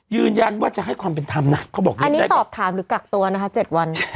ยืนยันว่าจะให้ความเป็นธรรมนะเขาบอกนะอันนี้สอบถามหรือกักตัวนะคะ๗วัน